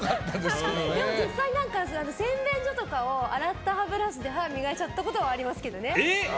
実際洗面所とかを洗った歯ブラシで歯を磨いちゃったことはありますけどね。